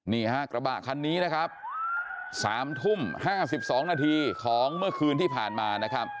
นี่ฮะกระบะคันนี้นะครับ๓ทุ่ม๕๒นาทีของเมื่อคืนที่ผ่านมานะครับ